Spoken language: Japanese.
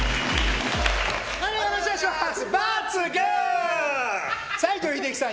よろしくお願いします！